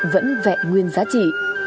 vẫn vẹn nguyên giá trị